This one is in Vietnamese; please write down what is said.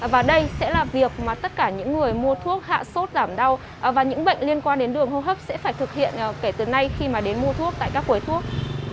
và đây sẽ là việc mà tất cả những người mua thuốc hạ sốt giảm đau và những bệnh liên quan đến đường hô hấp sẽ phải thực hiện kể từ nay khi mà đến mua thuốc tại các quầy thuốc